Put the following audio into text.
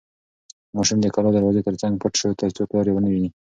ماشوم د کلا د دروازې تر څنګ پټ شو ترڅو پلار یې ونه ویني.